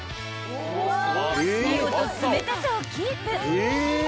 ［見事冷たさをキープ］